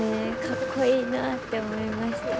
かっこいいなって思いました。